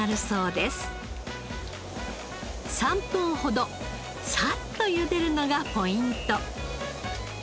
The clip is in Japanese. ３分ほどサッとゆでるのがポイント。